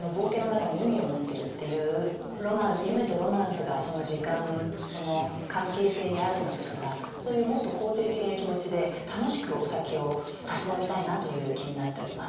夢とロマンスがその時間その関係性にあるんだとしたらそういうもっと肯定的な気持ちで楽しくお酒をたしなみたいなという気になっております。